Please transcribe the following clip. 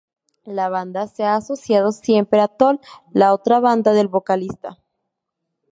La banda se ha asociado siempre a Tool, la otra banda del vocalista.